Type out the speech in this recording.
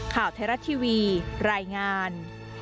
ข่าวไทยรัฐทีวีรายงาน